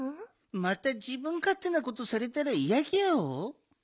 またじぶんかってなことされたらいやギャオ。